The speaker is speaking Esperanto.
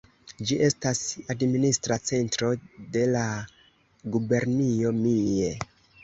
Ĝi estas administra centro de la gubernio Mie.